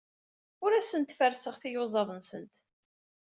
Ur asent-ferrseɣ tiyuzaḍ-nsent.